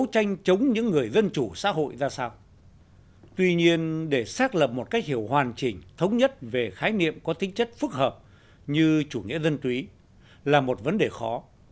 tuy nhiên để xác lập một cách hiểu hoàn chỉnh thống nhất về khái niệm có tính chất phức hợp như chủ nghĩa dân túy là một vấn đề khó